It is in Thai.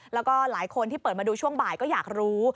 แล้วก็หลายคนที่เปิดมาดูช่วงบ่ายก็อยากรู้